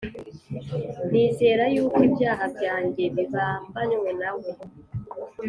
Nizera yukw’ ibyaha byanjye bibambanywe nawe.